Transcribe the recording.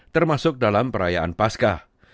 termasuk dalam perayaan paskah